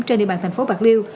trên địa bàn thành phố bạc liêu